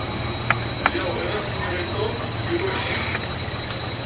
Lliɣ bɣiɣ ad s-iniɣ i Tom iwacu.